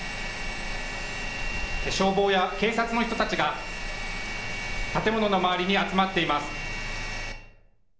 消防や警察の人たちが建物の周りに集まっています。